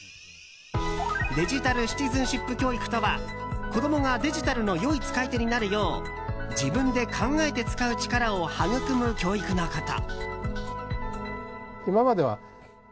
デジタル・シティズンシップ教育とは子供がデジタルの良い使い手になるよう自分で考えて使う力を育む教育のこと。